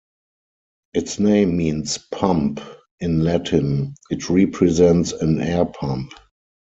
Its name means "pump" in Latin; it represents an air pump.